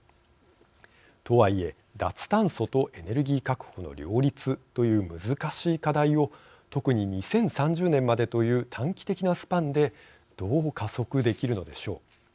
とはいえ脱炭素とエネルギー確保の両立という難しい課題を特に２０３０年までという短期的なスパンでどう加速できるのでしょう。